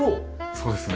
そうですね。